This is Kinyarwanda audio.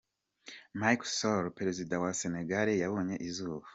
Macky Sall, perezida wa wa Senegal yabonye izuba.